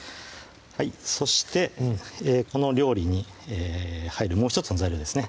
そしてこの料理に入るもう１つの材料ですね